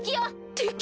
敵？